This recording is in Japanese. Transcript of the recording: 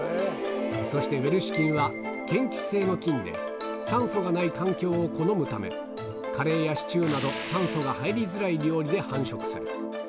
そして、ウェルシュ菌は嫌気性の菌で酸素がない環境を好むため、カレーやシチューなど、酸素が入りづらい料理で繁殖する。